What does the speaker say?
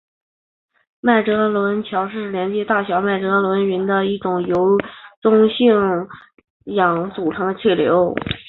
麦哲伦桥是连接大小麦哲伦云的一条由中性氢组成的气流。